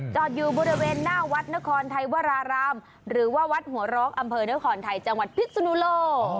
จอดอยู่บริเวณหน้าวัดนครไทยวรารามหรือว่าวัดหัวร้องอำเภอนครไทยจังหวัดพิศนุโลก